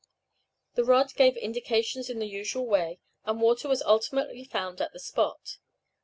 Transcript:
The rod gave indications in the usual way, and water was ultimately found at the spot.